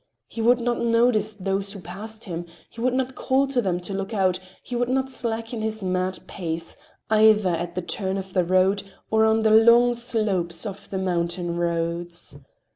He would not notice those who passed him, he would not call to them to look out, he would not slacken his mad pace, either at the turns of the road or on the long slopes of the mountain roads.